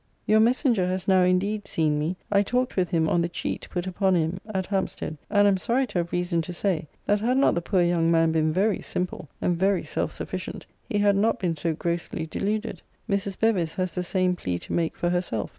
Your messenger has now indeed seen me. I talked with him on the cheat put upon him at Hampstead: and am sorry to have reason to say, that had not the poor young man been very simple, and very self sufficient, he had not been so grossly deluded. Mrs. Bevis has the same plea to make for herself.